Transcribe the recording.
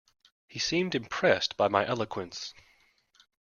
He seemed impressed by my eloquence.